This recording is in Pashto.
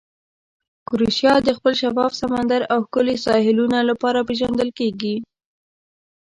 کروشیا د خپل شفاف سمندر او ښکلې ساحلونو لپاره پېژندل کیږي.